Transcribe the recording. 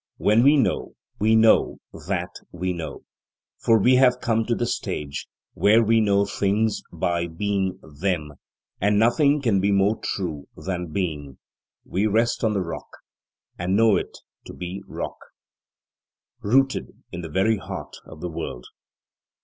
When we know, we know that we know. For we have come to the stage where we know things by being them, and nothing can be more true than being. We rest on the rock, and know it to be rock, rooted in the very heart of the world.